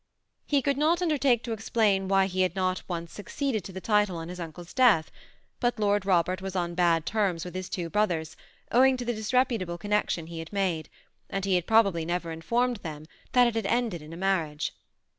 He could not undertake to explain why he had not at once succeeded to the title on his uncle's death, but Lord Robert was on bad terms with his two brothers, owing to the disreputable connection he had made ; and he had probably never informed them that it had ended in a marriage.